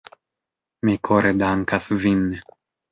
Mi kore dankas vin.